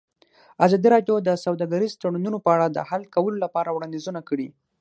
ازادي راډیو د سوداګریز تړونونه په اړه د حل کولو لپاره وړاندیزونه کړي.